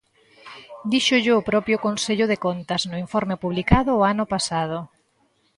Díxollo o propio Consello de Contas no informe publicado o ano pasado.